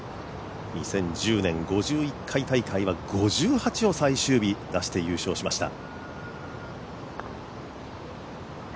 ２０１０年５１回大会は５８を最終日出して、優勝しました